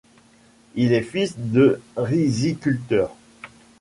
Il est fils de riziculteurs.